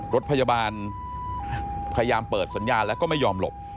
รถพยาบาลพยายามเปิดสัญญาณแล้วก็ไม่ยอมหลบ